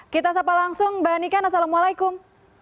kita sapa langsung mbak niken assalamualaikum